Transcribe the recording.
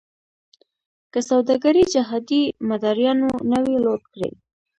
که سوداګري جهادي مداریانو نه وی لوټ کړې.